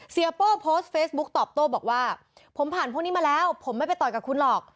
โป้โพสต์เฟซบุ๊กตอบโต้บอกว่าผมผ่านพวกนี้มาแล้วผมไม่ไปต่อยกับคุณหรอก